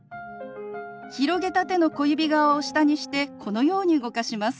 広げた手の小指側を下にしてこのように動かします。